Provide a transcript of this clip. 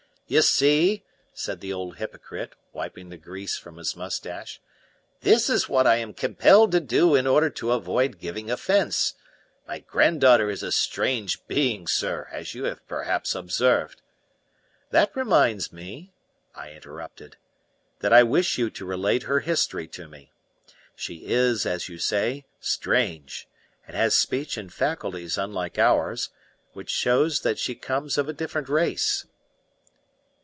"You see," said the old hypocrite, wiping the grease from his moustache, "this is what I am compelled to do in order to avoid giving offence. My granddaughter is a strange being, sir, as you have perhaps observed " "That reminds me," I interrupted, "that I wish you to relate her history to me. She is, as you say, strange, and has speech and faculties unlike ours, which shows that she comes of a different race."